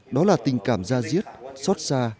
đó là tình cảm ra giết xót xa